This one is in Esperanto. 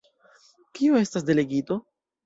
Kio estas delegito?